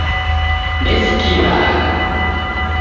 Ndesikiragha